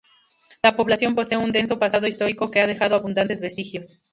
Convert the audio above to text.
La población posee un denso pasado histórico que ha dejado abundantes vestigios.